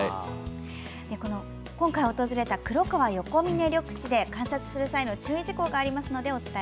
今回訪れた黒川よこみね緑地で観察する際の注意事項があります。